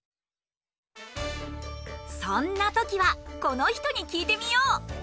そんな時はこの人に聞いてみよう。